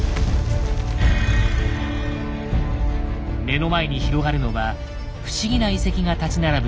目の前に広がるのは不思議な遺跡が立ち並ぶ